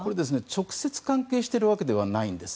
直接関係しているわけではないんです。